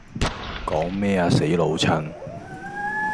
講咩呀死老襯?